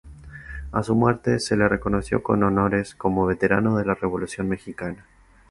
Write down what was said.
A su muerte se le reconoció con honores como "Veterano de la Revolución Mexicana".